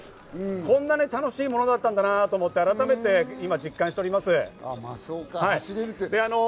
こんな楽しいものだったんだなと思って、改めて実感しております。